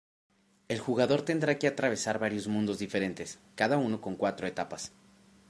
El jugador tendrá que atravesar varios mundos diferentes, cada uno con cuatro etapas.